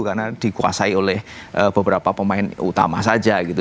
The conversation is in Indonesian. karena dikuasai oleh beberapa pemain utama saja gitu